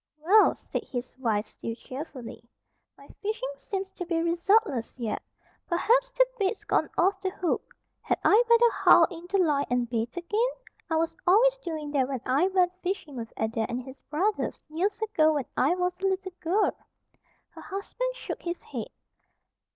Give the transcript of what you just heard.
"Well," said his wife, still cheerfully, "my fishing seems to be resultless yet. Perhaps the bait's gone off the hook. Had I better haul in the line and bait again? I was always doing that when I went fishing with Adair and his brothers, years ago, when I was a little girl." Her husband shook his head.